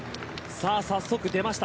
早速、出ました。